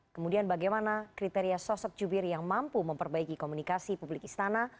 kemudian bagaimana kriteria sosok jubir yang mampu memperbaiki komunikasi publik istana